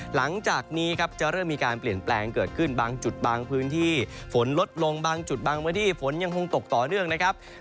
หลังจากนี้ครับจะเริ่มมีการเปลี่ยนแปลงเกิดขึ้นบางจุดบางพื้นที่ฝนลดลงบางจุดบางพื้นที่ฝนยังคงตกต่อเนื่องนะครับ